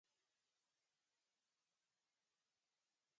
En la noche, las arañas van a la casa de Wade, que cría avestruces.